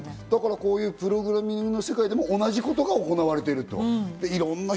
こういうプログラミングの世界でも同じことが行われていると。